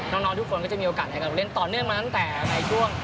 น้องทุกคนก็จะมีโอกาสในการเล่นต่อเนื่องมาตั้งแต่ในช่วง